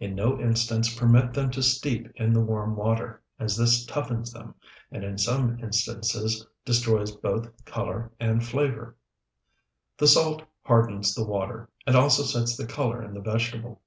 In no instance permit them to steep in the warm water, as this toughens them, and in some instances destroys both color and flavor. The salt hardens the water, and also sets the color in the vegetable.